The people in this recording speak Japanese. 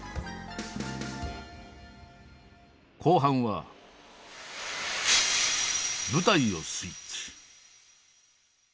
後半は舞台をスイッチ。